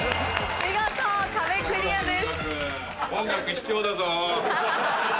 見事壁クリアです。